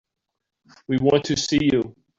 We want to see you.